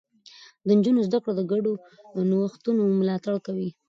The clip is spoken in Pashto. د نجونو زده کړه د ګډو نوښتونو ملاتړ کوي.